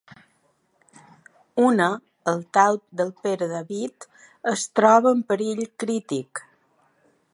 Una, el talp del Pare David, es troba en perill crític.